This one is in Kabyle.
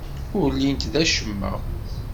Ur llint d acemma.